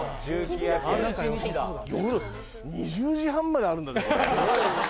夜２０時半まであるんだぜこれ。